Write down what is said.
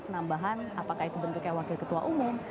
penambahan apakah itu bentuknya wakil ketua umum